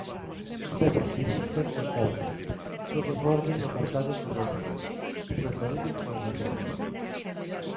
Xunta de accionistas do Celta, todo en orde no apartado económico, unha saúde extraordinaria.